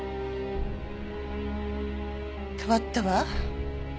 変わったわ。